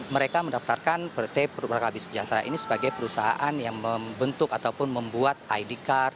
mereka mendaftarkan pt muraka bisjahsari ini sebagai perusahaan yang membentuk ataupun membuat id card